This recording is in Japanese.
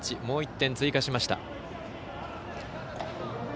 もう１点追加しました。